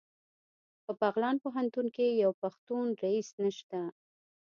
په بغلان پوهنتون کې یو پښتون رییس نشته